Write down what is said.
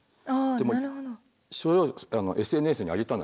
でもそれをＳＮＳに上げたのよ。